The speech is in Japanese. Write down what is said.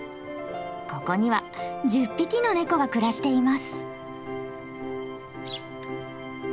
ここには１０匹のネコが暮らしています。